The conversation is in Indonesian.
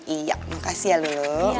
iya makasih ya lulu